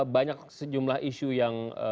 banyak sejumlah isu yang